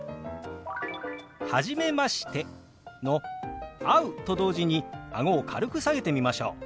「初めまして」の「会う」と同時にあごを軽く下げてみましょう。